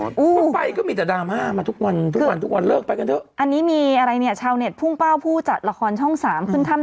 ที่ไปวางไว้ด้านในนะ